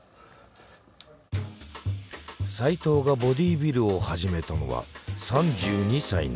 齋藤がボディビルを始めたのは３２歳の時。